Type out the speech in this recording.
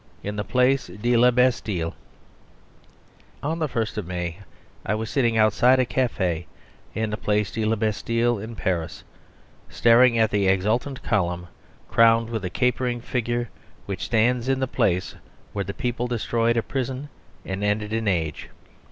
In the Place de La Bastille On the first of May I was sitting outside a café in the Place de la Bastille in Paris staring at the exultant column, crowned with a capering figure, which stands in the place where the people destroyed a prison and ended an age.